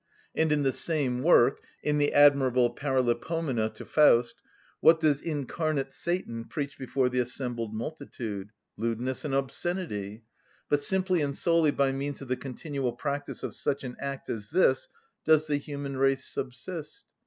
And in the same work (in the admirable "Paralipomena" to "Faust") what does incarnate Satan preach before the assembled multitude? Lewdness and obscenity. But simply and solely by means of the continual practice of such an act as this does the human race subsist.